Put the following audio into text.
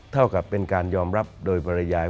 เท่ากับเป็นการยอมรับโดยบริยาย